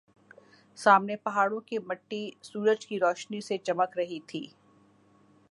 سامنے پہاڑوں کی مٹی سورج کی روشنی سے چمک رہی تھی